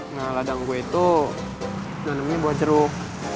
nah ladang gue itu nanemi buat jeruk